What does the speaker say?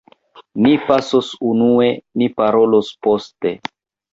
Ni pasos unue; ni parolos poste.